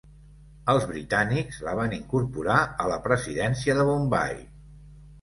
Els britànics la van incorporar a la Presidència de Bombai.